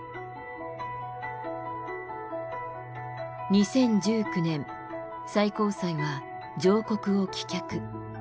２０１９年最高裁は上告を棄却。